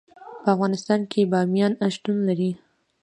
په افغانستان کې بامیان شتون لري.